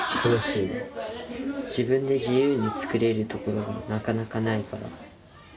自分で自由に作れるところがなかなかないから。